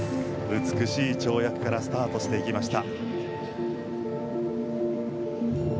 美しい跳躍からスタートしていきました。